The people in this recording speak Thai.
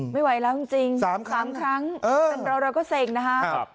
ไม่ไหวแล้วจริง๓ครั้งเราเราก็เสกนะครับ